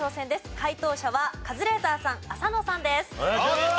解答者はカズレーザーさん浅野さんです。